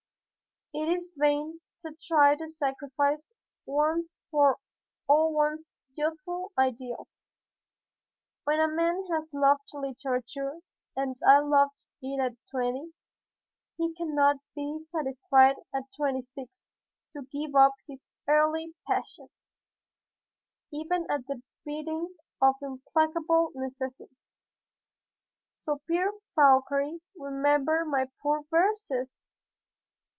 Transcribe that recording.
It is vain to try to sacrifice once for all one's youthful ideals. When a man has loved literature as I loved it at twenty, he cannot be satisfied at twenty six to give up his early passion, even at the bidding of implacable necessity. So Pierre Fauchery remembered my poor verses!